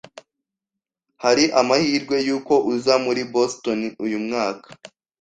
Hari amahirwe yuko uza muri Boston uyu mwaka?